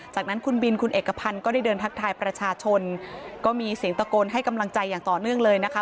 จากนั้นคุณบินคุณเอกพันธ์ก็ได้เดินทักทายประชาชนก็มีเสียงตะโกนให้กำลังใจอย่างต่อเนื่องเลยนะคะ